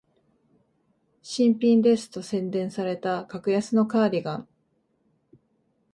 新品ですと宣伝された格安のカーディガン